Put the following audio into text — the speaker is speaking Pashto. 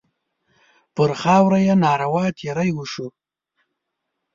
پر خاوره یې ناروا تېری وشو.